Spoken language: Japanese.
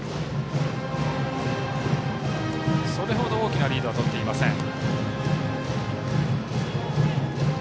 それほど大きなリードはとっていません。